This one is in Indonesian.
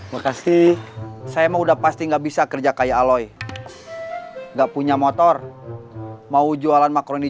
makasih saya mau udah pasti nggak bisa kerja kayak aloy enggak punya motor mau jualan makroni